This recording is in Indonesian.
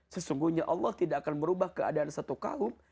sesungguhnya allah tidak akan merubah keadaan satu kaum